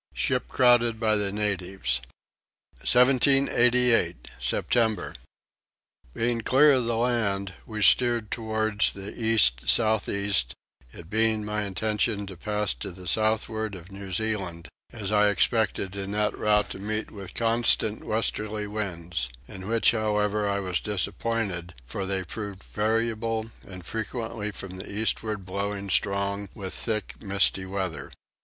Ship crowded by the Natives. 1788. September. Being clear of the land we steered towards the east south east, it being my intention to pass to the southward of New Zealand, as I expected in that route to meet with constant westerly winds; in which however I was disappointed, for they proved variable and frequently from the eastward blowing strong, with thick misty weather.